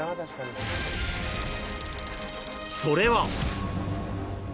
［それは］